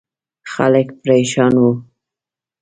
خلک پرېشان وو.